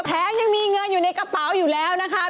แถมยังมีเงินอยู่ในกระเป๋าอยู่แล้วนะคะ